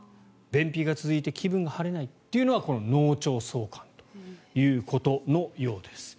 便秘が続いて気分が晴れないというのはこの脳腸相関ということのようです。